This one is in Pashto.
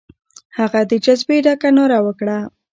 هغه د جذبې ډکه ناره وکړه.